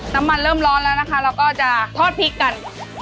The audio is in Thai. น้ำมันเริ่มร้อนแล้วนะคะเราก็จะทอดพริกกัน